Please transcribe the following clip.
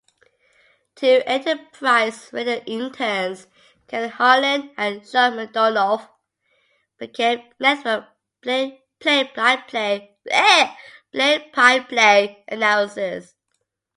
Two Enterprise Radio interns, Kevin Harlan and Sean McDonough, became network play-by-play annnouncers.